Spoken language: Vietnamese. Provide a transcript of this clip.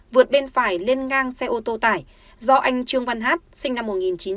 vượt bên phải lên ngang xe ô tô tải do anh trương văn hát sinh năm một nghìn chín trăm tám mươi